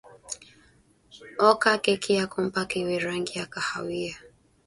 oka keki yako mpaka iwe rangi ya kahawia